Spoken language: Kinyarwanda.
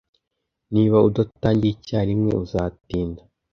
Niba udatangiye icyarimwe uzatinda.